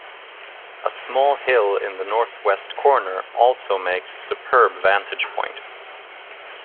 A small hill in the north-west corner also makes a superb vantage point.